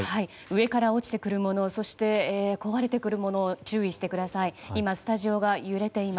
上から落ちてくるもの壊れてくるものに注意してください。